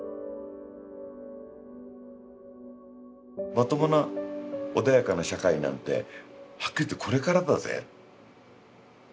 まともな穏やかな社会なんてはっきり言ってこれからだぜって。